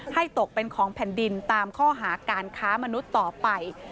ตกเป็นของแผ่นดินตามข้อหาการค้ามนุษย์ต่อไป